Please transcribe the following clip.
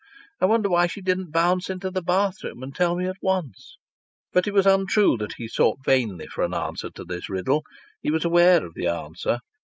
I wonder why she didn't bounce into the bathroom and tell me at once?" But it was untrue that he sought vainly for an answer to this riddle. He was aware of the answer.